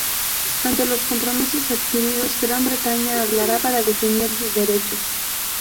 Ante los compromisos adquiridos, Gran Bretaña hablará para defender sus derechos.